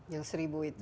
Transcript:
yang seribu itu